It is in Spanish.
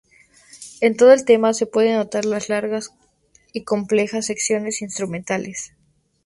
En todo el tema se puede notar las largas y complejas secciones instrumentales.